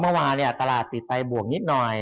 เมื่อว่านี้ครับตลาดปิดไปอีกหนิดนิดหน่อย